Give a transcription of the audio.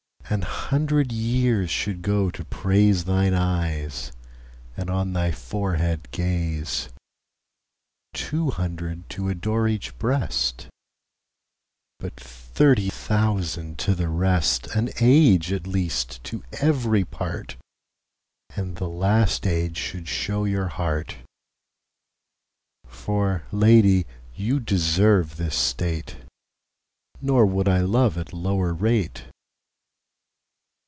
An hundred years should go to praiseThine Eyes, and on thy Forehead Gaze.Two hundred to adore each Breast:But thirty thousand to the rest. An Age at least to every part, And the last Age should show your Heart.For Lady you deserve this State; Nor would I love at lower rate.